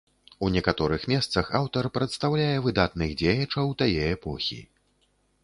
У некаторых месцах аўтар прадстаўляе выдатных дзеячаў тае эпохі.